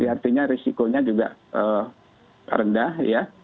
artinya risikonya juga rendah ya